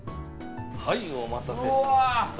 お待たせしました。